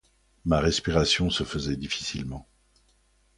Ma respiration se faisait difficilement.